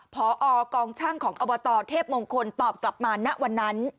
พอกองช่างของอบตเทพมงคลตอบกลับมาณวันนั้น